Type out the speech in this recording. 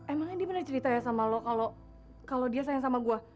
emangnya dia benar cerita ya sama lo kalau dia sayang sama gue